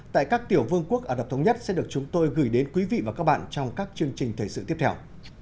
tại các tiểu vương quốc ả rập thống nhất sẽ được chúng tôi gửi đến quý vị và các bạn trong các chương trình thời sự tiếp theo